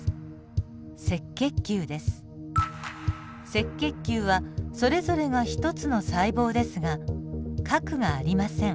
赤血球はそれぞれが一つの細胞ですが核がありません。